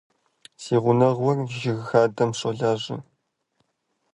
Си гъунэгъур жыг хадэм щолажьэ.